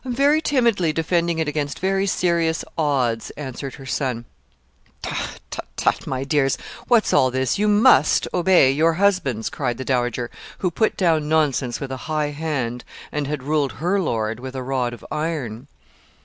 'I am very timidly defending it against very serious odds,' answered her son. 'Tut, tut! my dears, what's all this; you must obey your husbands,' cried the dowager, who put down nonsense with a high hand, and had ruled her lord with a rod of iron.